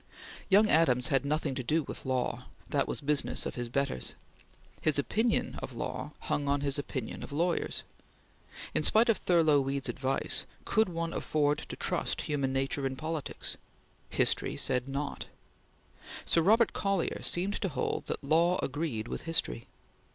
Young Adams had nothing to do with law; that was business of his betters. His opinion of law hung on his opinion of lawyers. In spite of Thurlow Weed's advice, could one afford to trust human nature in politics? History said not. Sir Robert Collier seemed to hold that Law agreed with History.